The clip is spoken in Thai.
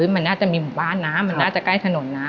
มันน่าจะมีหมู่บ้านนะมันน่าจะใกล้ถนนนะ